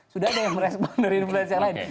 sudah ada yang merespon dari influence yang lain